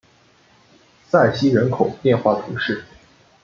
塞西人口变化图示